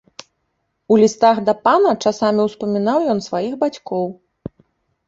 У лістах да пана часамі ўспамінаў ён сваіх бацькоў.